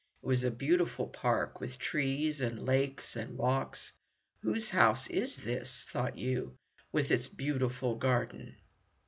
It was a beautiful park, with trees, and lakes, and walks. "Whose house is this," thought Yoo, "with its beautiful garden?"